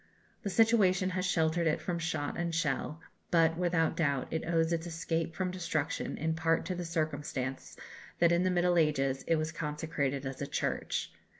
The situation has sheltered it from shot and shell; but, without doubt, it owes its escape from destruction in part to the circumstance that in the Middle Ages it was consecrated as a church.